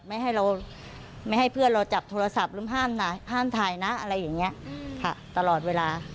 ไม่ให้เราไม่ให้เพื่อนเราจับโทรศัพท์หรือห้ามนะห้ามถ่ายนะอะไรอย่างนี้ค่ะตลอดเวลา